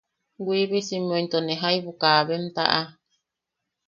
Wiibisimmeu into ne jaibu kaabem taʼa.